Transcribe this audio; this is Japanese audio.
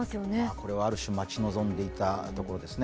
これはある種、待ち望んでいたところですね。